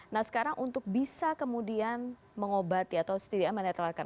nah sekarang untuk bisa kemudian mengobati atau setidaknya menetralkan